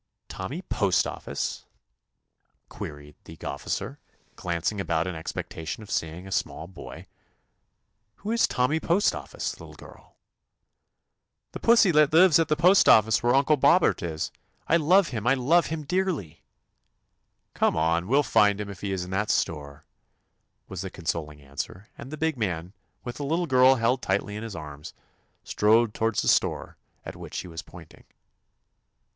"Tommy Postoffice?" queried the 153 THE ADVENTURES OF officer, glancing about in expectation of seeing a small boy. "Who is Tom my Postoffice, little girl*?" "The pussy that lives at the post office where Uncle Bobbert is. I love him, I love him dearly I" "Come on, and we '11 find him if he is in that store," was the consoling answer, and the big man, with the little girl held tightly in his arms, strode toward the store at which she was pointing.